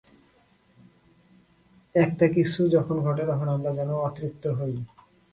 একটা কিছু যখন ঘটে, তখন আমরা যেন অতৃপ্ত হই।